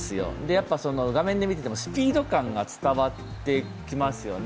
やっぱ、画面で見ててもスピード感が伝わってきますよね。